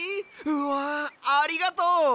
うわありがとう！